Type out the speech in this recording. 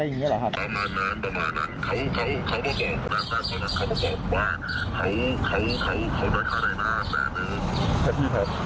แต่แอ๊มนี่น่าจะแบบเป็นไหนหน้าให้อะไรอย่างนี้หรอครับ